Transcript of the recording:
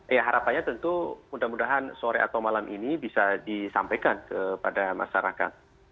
ya harapannya tentu mudah mudahan sore atau malam ini bisa disampaikan kepada masyarakat